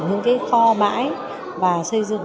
những cái kho bãi và xây dựng